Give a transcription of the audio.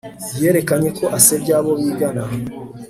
yerekanye ko asebya abo bigana